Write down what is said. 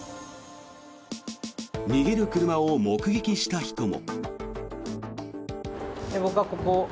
逃げる車を目撃した人も。